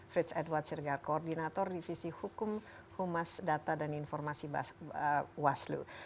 frits edward sirgar koordinator divisi hukum humas data dan informasi waslu